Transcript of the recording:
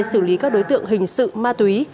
xử lý các đối tượng hình sự ma túy